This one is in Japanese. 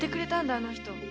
あの人。